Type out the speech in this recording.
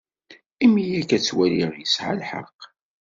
Imi akka, ttwaliɣ yesɛa lḥeqq.